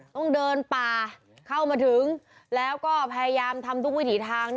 ต้องเดินป่าเข้ามาถึงแล้วก็พยายามทำทุกวิถีทาง